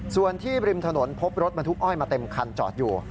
ส่วนที่ริมถนนพบรถบรรทุกอ้อยมาเต็มคันจอดอยู่